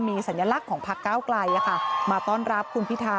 มีสัญลักษณ์ของพักเก้าไกลมาต้อนรับคุณพิทา